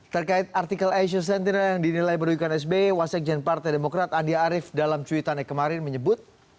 terkait artikel asia sentinel yang dinilai merugikan sby wasekjen partai demokrat andi arief dalam cuitannya kemarin menyebut